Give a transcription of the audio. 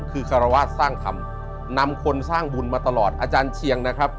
คือคารวาสสร้างธรรมนำคนสร้างบุญมาตลอดอาจารย์เชียงนะครับ